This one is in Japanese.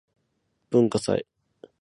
文化祭